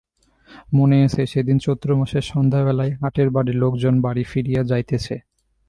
মনে আছে, সেদিন চৈত্রমাসের সন্ধ্যাবেলায় হাটের বারে লোকজন বাড়ি ফিরিয়া যাইতেছে।